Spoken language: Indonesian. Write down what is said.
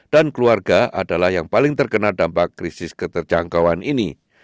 dan keluarga adalah yang paling terkena dampak krisis keterjangkauan ini